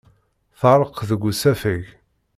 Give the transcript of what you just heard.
Teɛreq deg usafag.